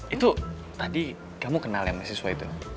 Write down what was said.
itu tadi kamu kenal ya mahasiswa itu